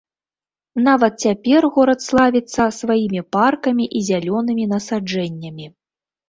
Нават цяпер горад славіцца сваімі паркамі і зялёнымі насаджэннямі.